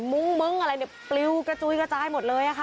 มุ้งมึ้งอะไรเนี่ยปลิวกระจุยกระจายหมดเลยค่ะ